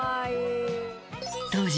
当時。